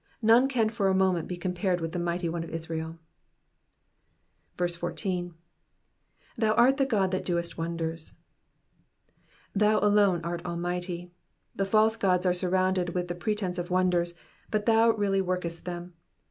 None can for a moment be compared with the mighty One of Israel. 14. *^Thou 'art the God that doest wonders,'*^ Thou alone art Almighty. The false gods are surrounded with the pretence of wonders, but thou really workest them.